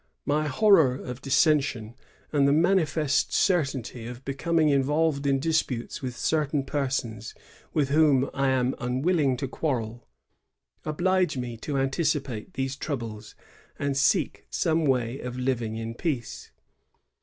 My horror of dissension, and the manifest certainty of becoming involved in disputes with certain persons with whom I am unwilling to quarrel, oblige me to anticipate these troubles, and seek some way of living in peace.